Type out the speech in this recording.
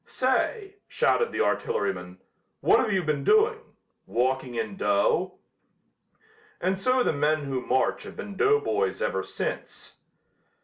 "Say," shouted the artilleryman, "what've you been doing? Walking in dough?" And so the men who march have been doughboys ever since.